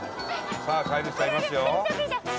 さあ飼い主さんいますよ。